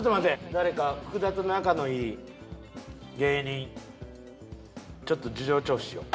誰か福田と仲のいい芸人ちょっと事情聴取しよう。